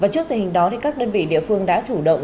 trước tình hình đó các đơn vị địa phương đã chủ động